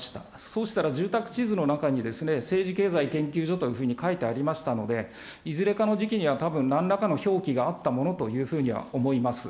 そうしたら住宅地図の中に、政治経済研究所というふうに書いてありましたので、いずれかの時期には、たぶんなんらかの表記があったものというふうに思います。